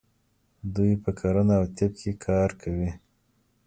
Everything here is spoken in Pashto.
دوی په کرنه او طب کې کار کوي.